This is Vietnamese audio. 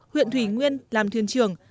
huyện thủy nguyên làm thuyền trưởng